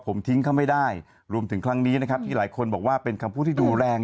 ผมทิ้งเขาไม่ได้รวมถึงครั้งนี้นะครับที่หลายคนบอกว่าเป็นคำพูดที่ดูแรง